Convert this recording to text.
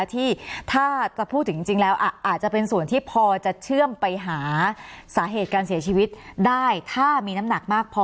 ที่ถ้าจะพูดถึงจริงแล้วอาจจะเป็นส่วนที่พอจะเชื่อมไปหาสาเหตุการเสียชีวิตได้ถ้ามีน้ำหนักมากพอ